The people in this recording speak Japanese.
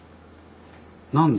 何だ？